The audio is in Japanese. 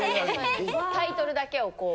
タイトルだけをこう。